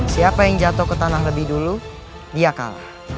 siapa yang jatuh ke tanah lebih dulu dia kalah